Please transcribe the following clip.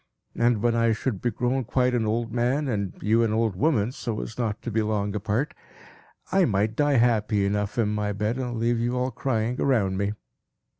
And when I should be grown quite an old man, and you an old woman, so as not to be long apart, I might die happy enough in my bed, and leave you all crying around me.